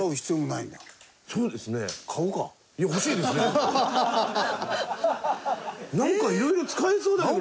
なんかいろいろ使えそうだもん。